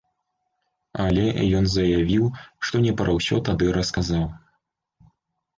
Але ён заявіў, што не пра ўсё тады расказаў.